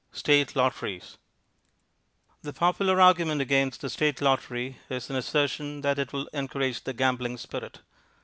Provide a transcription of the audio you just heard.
State Lotteries The popular argument against the State Lottery is an assertion that it will encourage the gambling spirit.